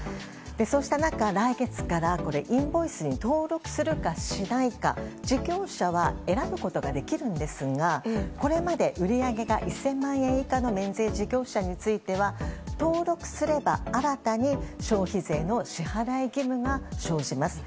そうした中、来月からインボイスに登録するかしないか事業者は選ぶことができるんですがこれまで売り上げが１０００万円以下の免税事業者については登録すれば新たに消費税の支払い義務が生じます。